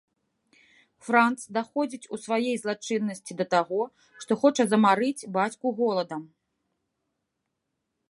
Франц даходзіць у сваёй злачыннасці да таго, што хоча замарыць бацьку голадам.